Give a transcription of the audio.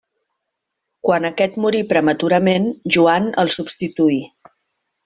Quan aquest morí prematurament Joan el substituí.